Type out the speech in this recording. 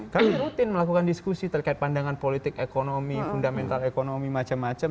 kami rutin melakukan diskusi terkait pandangan politik ekonomi fundamental ekonomi macam macam